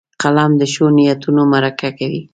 قلم د ښو نیتونو مرکه کوي